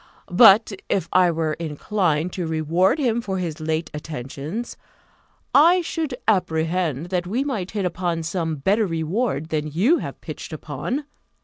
But if I were inclined to reward him for his late attentions, I should apprehend that we might hit upon some better reward than you have pitched upon.